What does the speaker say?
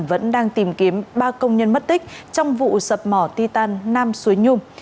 vẫn đang tìm kiếm ba công nhân mất tích trong vụ sập mỏ ti tan nam suối nhung